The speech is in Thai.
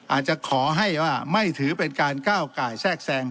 อาจจะขอให้ว่าไม่ถือเป็นการก้าวไก่แทรกแทรง